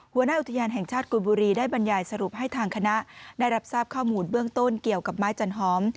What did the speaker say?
หัวหน้าอุทยานแห่งชาติกุยบุรีได้บรรยายสรุปให้ทางคณะได้รับทราบข้อมูลเบื้องต้นเกี่ยวกับไม้จันหอม